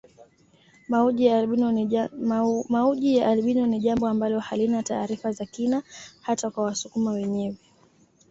Mauji ya albino ni jambo ambalo halina taarifa za kina hata kwa wasukuma wenyewe